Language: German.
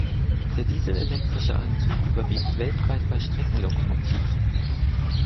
Der dieselelektrische Antrieb überwiegt weltweit bei Streckenlokomotiven.